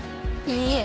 いいえ。